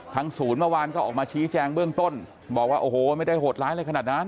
ศูนย์เมื่อวานก็ออกมาชี้แจงเบื้องต้นบอกว่าโอ้โหไม่ได้โหดร้ายอะไรขนาดนั้น